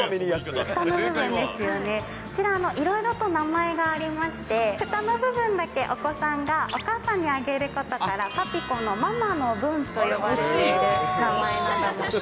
ふたの部分ですよね、こちら、いろいろと名前がありまして、ふたの部分だけお子さんがお母さんにあげることから、パピコのママの分と呼ばれている名前です。